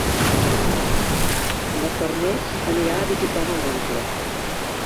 Dimarts na Farners anirà a visitar mon oncle.